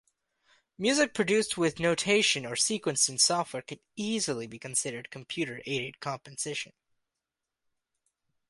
Music produced with notation or sequencing software could easily be considered computer-aided composition.